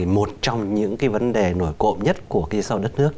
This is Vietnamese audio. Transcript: một trong những vấn đề nổi cộm nhất của kia sau đất nước